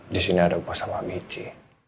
disini ada gue sama bici